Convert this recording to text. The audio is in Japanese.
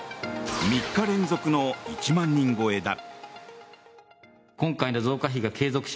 ３日連続の１万人超えだ。